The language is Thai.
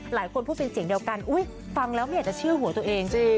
หลายคนพูดเป็นเสียงเดียวกันอุ๊ยฟังแล้วไม่อยากจะเชื่อหัวตัวเอง